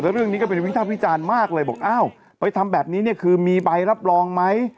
เรื่องนี้ก็เป็นวิภาควิจารณ์มากเลยบอกอ้าวไปทำแบบนี้เนี่ยคือมีใบรับรองไหม